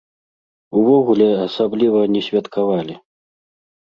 Увогуле асабліва не святкавалі.